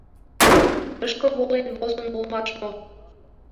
— Тышке волен возын улмаш мо?